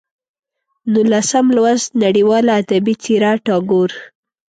نولسم لوست: نړیواله ادبي څېره ټاګور